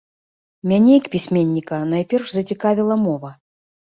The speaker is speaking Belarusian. Мяне як пісьменніка найперш зацікавіла мова.